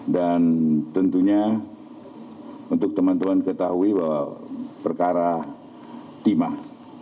dan tentunya untuk teman teman ketahui bahwa perkara timah